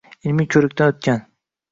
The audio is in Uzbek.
ilmiy ko‘rikdan o‘tgan